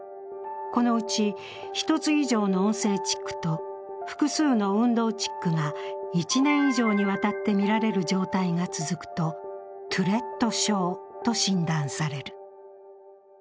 このうち１つ以上の音声チックと複数の運動チックが１年以上にわたってみられる状態が続くと、トゥレット症と診断される。